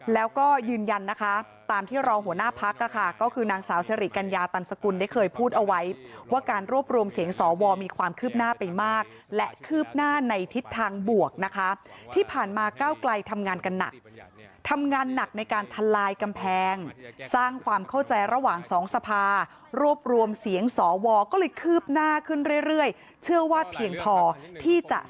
แล้วก็ยืนยันนะคะตามที่รองหัวหน้าพักค่ะก็คือนางสาวสิริกัญญาตันสกุลได้เคยพูดเอาไว้ว่าการรวบรวมเสียงสวมีความคืบหน้าไปมากและคืบหน้าในทิศทางบวกนะคะที่ผ่านมาก้าวไกลทำงานกันหนักทำงานหนักในการทลายกำแพงสร้างความเข้าใจระหว่างสองสภารวบรวมเสียงสวก็เลยคืบหน้าขึ้นเรื่อยเชื่อว่าเพียงพอที่จะ